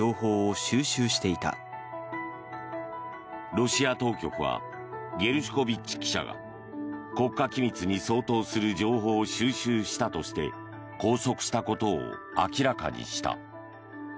ロシア当局はゲルシュコビッチ記者が国家機密に相当する情報を収集したとして拘束したことを明らかにした。